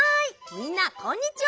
みんなこんにちは！